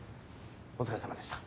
お疲れさまでした。